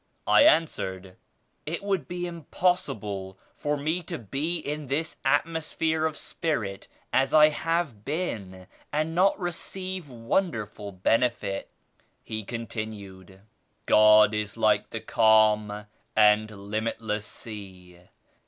I answered "It would be impossible for me to be in this at mosphere of Spirit as I have been and not re ceive wonderful benefit." He continued "God is like the calm and limitless sea.